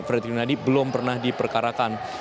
fredri yunadi belum pernah diperkarakan